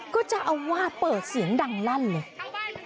ก็เจ้าอาวาสเปิดเสียงดังลั่นเลย